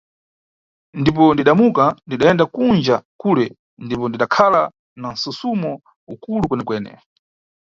Ipo ndidamuka, ndidayenda kunja kule ndipo ndidakhala na msusumo ukulu kwene-kwene.